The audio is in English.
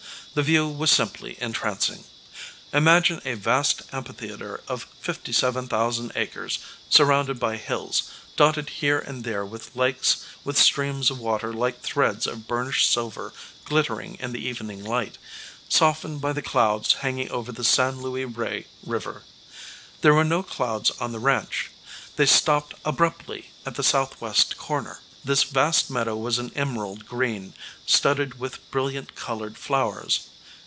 The view was simply entrancing. Imagine a vast amphitheater of 57,000 acres, surrounded by hills, dotted here and there with lakes, with streams of water like threads of burnished silver glittering in the evening light, softened by the clouds hanging over the San Luis Rey River. There were no clouds on the ranch; they stopped abruptly at the southwest corner. This vast meadow was an emerald green, studded with brilliant colored flowers.